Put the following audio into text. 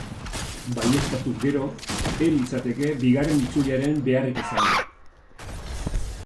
Baieztatuz gero, ez litzateke bigarren itzuliaren beharrik izango.